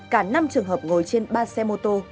cả năm trường hợp ngồi trên ba xe mô tô